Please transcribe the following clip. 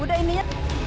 udah ini ya